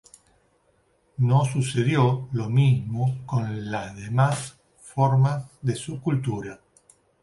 No sucedió lo mismo con las demás formas de su cultura.